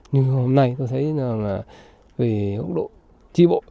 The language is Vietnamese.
như hôm nay tôi thấy về góc độ tri bộ